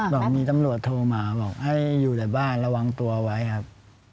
บอกมีตำรวจโทรมาบอกให้อยู่แต่บ้านระวังตัวไว้ครับ